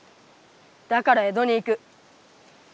だから江戸に行く。